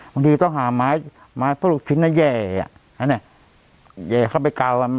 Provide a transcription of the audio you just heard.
บางทีต้องหาไม้ไม้ต้นลูกชิ้นน่ะแย่น่ะแย่เข้าไปเกา